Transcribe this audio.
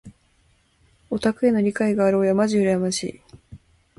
オタクへの理解のある親まじ羨ましい。